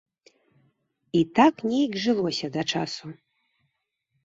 І так нейк жылося да часу.